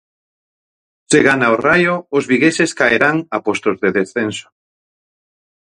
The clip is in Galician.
Se gana o Raio, os vigueses caerán a postos de descenso.